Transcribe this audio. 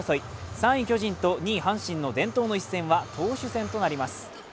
３位巨人と２位阪神の伝統の一戦は投手戦となります。